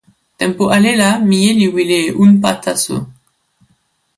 tenpo ale la mije li wile e unpa taso.